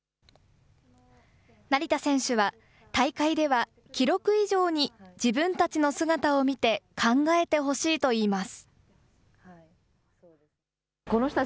成田選手は大会では記録以上に自分たちの姿を見て考えてほしいといいます。